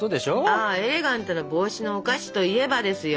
ああエレガントな帽子のお菓子といえばですよ。